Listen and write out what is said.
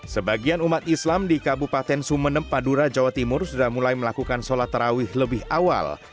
sebagian umat islam di kabupaten sumeneb madura jawa timur sudah mulai melakukan sholat terawih lebih awal